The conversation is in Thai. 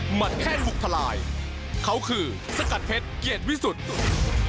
มันแค่ลุกทลายเขาคือสกัดเพชรเกียรติวิสุทธิ์